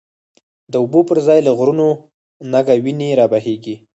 د اوبو پر ځای له غرونو، نګه وینی رابهیږی